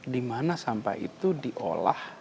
dimana sampah itu diolah